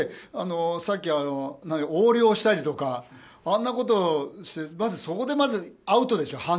さっき、横領したりとかあんなことそこでまずアウトでしょ。